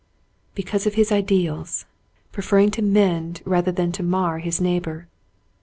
Because of his ideals — preferring to mend rather than to mar his neighbor.